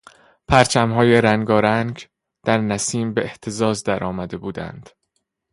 پرچمهای رنگارنگ در نسیم به اهتزاز درآمده بودند.